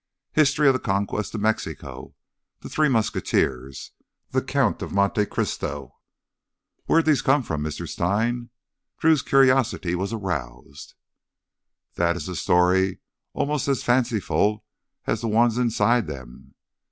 "History of the Conquest of Mexico, _The Three Musketeers,__ The Count of Monte Cristo_ ... Where'd these come from, Mister Stein?" Drew's curiosity was aroused. "That is a story almost as fanciful as the ones inside them."